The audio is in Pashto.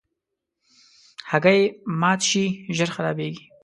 هګۍ مات شي، ژر خرابیږي.